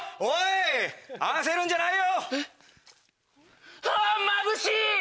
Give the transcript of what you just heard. おい！